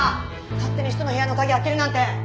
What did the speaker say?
勝手に人の部屋の鍵開けるなんて！